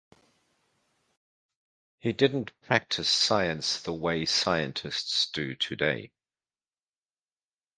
He didn't practice science the way scientists do today.